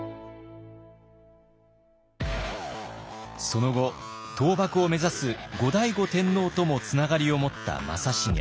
その後倒幕を目指す後醍醐天皇ともつながりを持った正成。